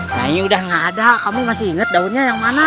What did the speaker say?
nah ini udah gak ada kamu masih ingat daunnya yang mana